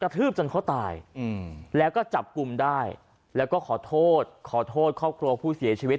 ทืบจนเขาตายแล้วก็จับกลุ่มได้แล้วก็ขอโทษขอโทษครอบครัวผู้เสียชีวิต